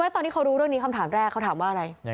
ตอนที่เขารู้เรื่องนี้คำถามแรกเขาถามว่าอะไร